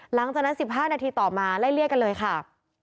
หลังจากนั้น๑๕นาทีต่อมาไล่เลี่ยกันเลยค่ะ